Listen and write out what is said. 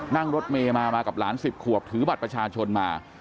นั่งรถเมย์มามากับหลาน๑๐ขวบถือบัตรประชาชนมา